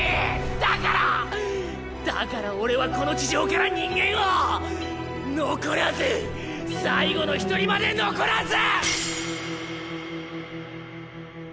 だから‼だから俺はこの地上から人間を残らず最後の一人まで残らず！